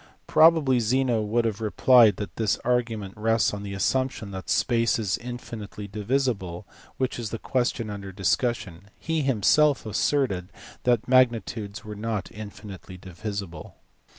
Probably Zeno would have replied that this argument rests on the assumption that space is infinitely divisible, which is the question under discussion ; he himself asserted that magnitudes were not infinitely divisible.